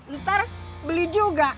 ntar beli juga